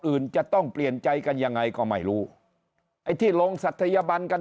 อื่นจะต้องเปลี่ยนใจกันยังไงก็ไม่รู้ไอ้ที่ลงศัตยบันกัน